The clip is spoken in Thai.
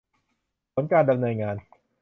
ผลการดำเนินงาน